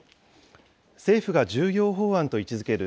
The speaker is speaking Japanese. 政府が重要法案と位置づける